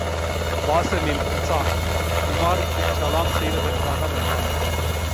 வாசலில், இஷாக், உமாருக்குச் சலாம் செய்வதற்காக வந்தான்.